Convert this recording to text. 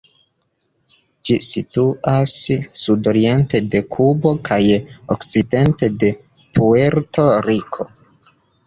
Ĝi situas sudoriente de Kubo kaj okcidente de Puerto-Riko.